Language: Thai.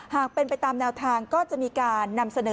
หากเป็นไปตามแนวทางก็จะมีการนำเสนอ